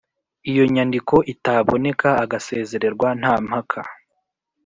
iyo nyandiko itaboneka agasezererwa nta mpaka